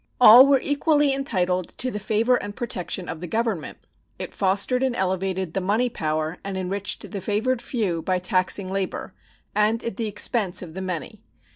All were equally entitled to the favor and protection of the Government. It fostered and elevated the money power and enriched the favored few by taxing labor, and at the expense of the many.